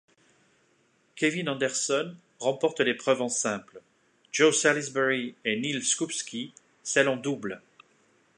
Kevin Anderson remporte l'épreuve en simple, Joe Salisbury et Neal Skupski celle en double.